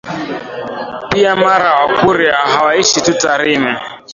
Pia Mara Wakurya hawaishi tu Tarime